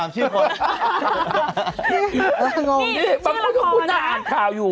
นี่ปว้างปุ๊กปุดห้าถ่าอันข่าวอยู่